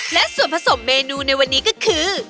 และส่วนผสมเมนูในวันนี้ก็คือ